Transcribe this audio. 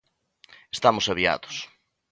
Estamos aviados